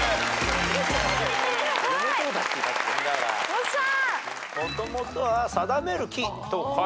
よっしゃ。